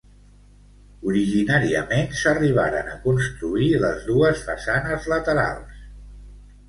Originàriament s'arribaren a construir les dues façanes laterals.